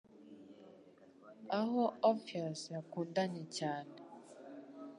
aho Orpheus yakundanye cyane